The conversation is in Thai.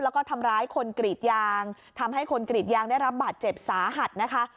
แล้วก็ทำร้ายคนกรีดยางทำให้คนกรีดยางได้รับบาดเจ็บสาหัสนะคะ